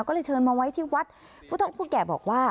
ก็เลยเชิญมาไว้ที่วัดผู้เท่าผู้แก่บอกว่า